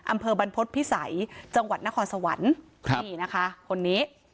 อำเภอบรรพฤษภิษัยจังหวัดนครสวรรค์ครับนี่นะคะคนนี้